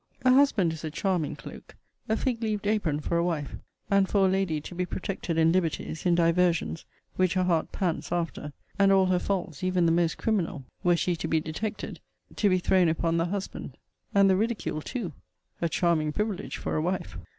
A husband is a charming cloke, a fig leaved apron for a wife: and for a lady to be protected in liberties, in diversions, which her heart pants after and all her faults, even the most criminal, were she to be detected, to be thrown upon the husband, and the ridicule too; a charming privilege for a wife!